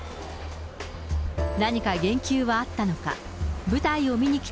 何か言及はあったのか。